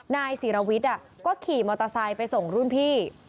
นายศิรวิทย์ก็ขี่มอเตอร์ไซค์ไปส่งรุ่นพี่